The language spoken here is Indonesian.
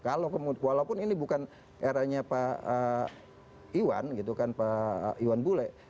kalau walaupun ini bukan eranya pak iwan gitu kan pak iwan bule